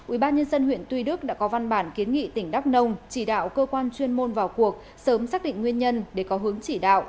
ubnd huyện tuy đức đã có văn bản kiến nghị tỉnh đắk nông chỉ đạo cơ quan chuyên môn vào cuộc sớm xác định nguyên nhân để có hướng chỉ đạo